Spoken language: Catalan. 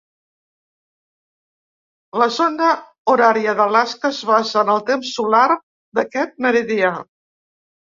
La zona horària d'Alaska es basa en el temps solar d'aquest meridià.